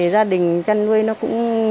gia đình chăn nuôi nó cũng